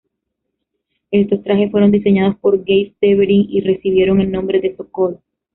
Estos trajes fueron diseñados por Gay Severin y recibieron el nombre de "Sokol".